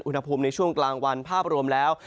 อุณหภูมิในช่วงกลางวันภาพรวมแล้ว